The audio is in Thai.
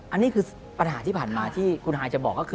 อันนี้คือปัญหาที่ผ่านมาที่คุณฮายจะบอกก็คือ